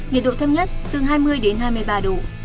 nhiệt độ thấp nhất từ hai mươi đến hai mươi ba độ